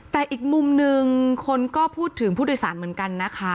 แต่อีกมุมหนึ่งคนก็พูดถึงผู้โดยสารเหมือนกันนะคะ